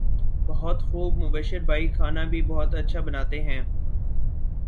بہت خوب مبشر بھائی کھانا بھی بہت اچھا بناتے ہیں